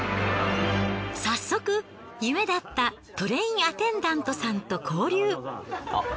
早速夢だったトレインアテンダントさんと交流。